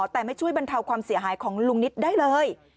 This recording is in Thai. แต่ไม่ช่วยบรรเทาความเสียหายของลุงนิดได้เลย